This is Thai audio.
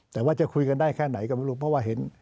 แต่ว่าจะคุยกันได้แค่ไหนก็ไม่รู้เพราะว่าเห็น